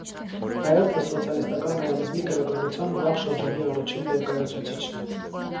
Վեերթը սոցիալիստական ռեալիզմի գրականության վաղ շրջանի առաջին ներկայացուցիչն է։